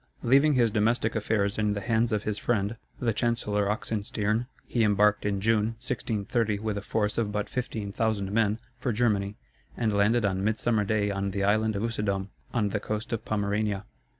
Leaving his domestic affairs in the hands of his friend, the Chancellor Oxenstiern, he embarked in June, 1630, with a force of but fifteen thousand men, for Germany, and landed on midsummer day on the island of Usedom, on the coast of Pomerania.